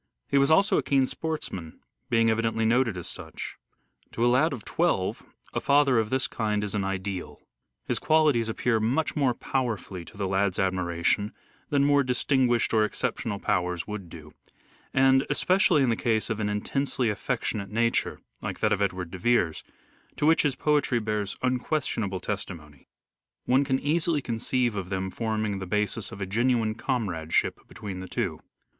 He was also a keen sportsman, being evidently noted as such. To a lad of twelve a father of this kind is an ideal. His qualities appeal much more powerfully to the lad's admiration than more distinguished or exceptional powers would do ; and, especially in the case of an intensely affectionate nature like that of Edward de Vere's, to which his poetry bears unquestionable testimony, one can easily conceive of them forming the basis of a genuine comradeship between the two.